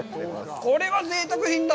これはぜいたく品だ！